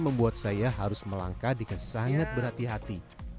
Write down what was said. membuat saya harus melangkah dengan sangat berhati hati